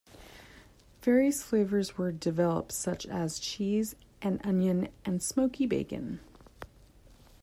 Various flavours were developed such as cheese and onion and smoky bacon.